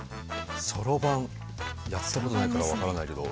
そろばんやったことないから分からないけど。